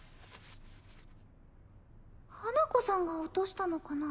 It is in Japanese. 花子さんが落としたのかな？